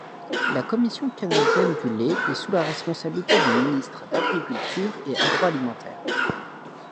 Le Commission canadienne du lait est sous la responsabilité du ministre d'Agriculture et Agroalimentaire.